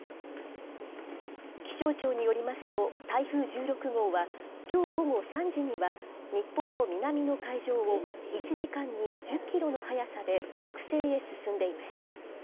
気象庁によりますと、台風１６号は、きょう午後３時には日本の南の海上を１時間に１０キロの速さで北西へ進んでいます。